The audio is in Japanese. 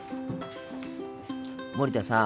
森田さん